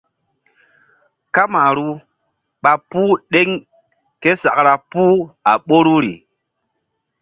Kamaru ɓa puh ɗeŋ ke sakra puh a ɓoruri.